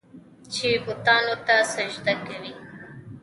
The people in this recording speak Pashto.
چې بوتانو ته سجدې کوي.